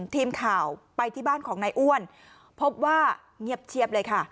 ทีมข่าวไปที่บ้านของนายอ้วนพบว่าเงียบเชียบเลยค่ะ